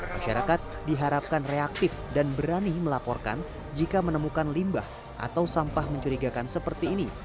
masyarakat diharapkan reaktif dan berani melaporkan jika menemukan limbah atau sampah mencurigakan seperti ini